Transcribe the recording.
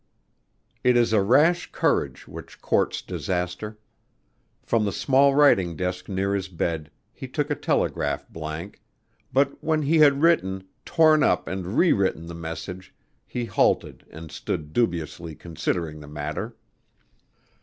It is a rash courage which courts disaster. From the small writing desk near his bed he took a telegraph blank, but when he had written, torn up and rewritten the message he halted and stood dubiously considering the matter.